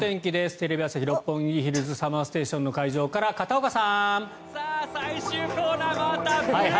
テレビ朝日・六本木ヒルズＳＵＭＭＥＲＳＴＡＴＩＯＮの会場からさあ最終コーナー回った！